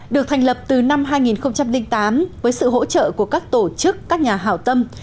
được thành lập từ năm hai nghìn tám với sự hỗ trợ của các tổ chức các nhà hảo tâm